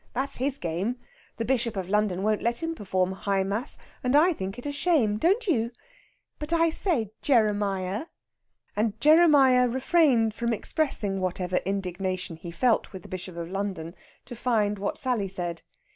That's his game! The Bishop of London won't let him perform High Mass, and I think it a shame! Don't you?... But I say, Jeremiah!" And Jeremiah refrained from expressing whatever indignation he felt with the Bishop of London, to find what Sally said.